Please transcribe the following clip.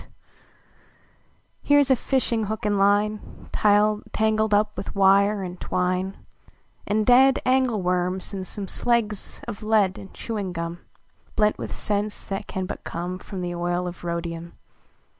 90 THE LITTLK COAT Here s a fishing hook and line, Tangled up with wire and twine, And dead angle worms, and some Sings of lead and chewing gum, ]>lent with scents that can hut come From the oil of rhodium.